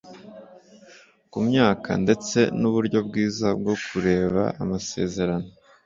mu myaka ndetse n'uburyo bwiza bwo kureba amasezerano